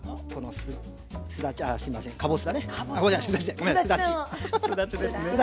すだちですね。